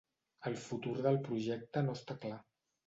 El futur del projecte no està clar.